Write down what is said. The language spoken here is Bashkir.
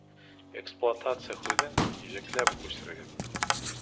«Эксплуатация» һүҙен ижекләп күсерегеҙ